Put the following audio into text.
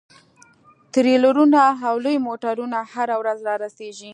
ټریلرونه او لوی موټرونه هره ورځ رارسیږي